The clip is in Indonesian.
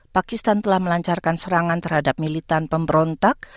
pakistan telah melancarkan serangan terhadap militan pemberontak